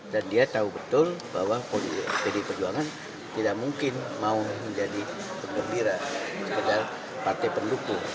dan dia tahu betul bahwa pdi perjuangan tidak mungkin mau menjadi pengembira sekedar partai pendukung